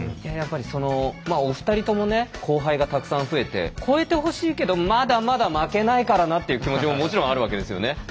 やっぱりお二人ともね後輩がたくさん増えて超えてほしいけどまだまだ負けないからなって気持ちももちろんあるわけですよね？